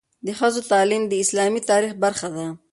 د ښځو تعلیم د اسلامي تاریخ برخه ده.